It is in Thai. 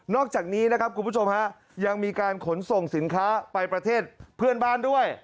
อกจากนี้นะครับคุณผู้ชมฮะยังมีการขนส่งสินค้าไปประเทศเพื่อนบ้านด้วย